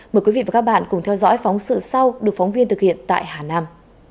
mời quý vị và các bạn cùng theo dõi phóng sự sau được phóng viên thực hiện tại hà nam